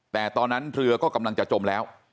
แต่ตอนนั้นเรือก็กำลังจะจมแล้ว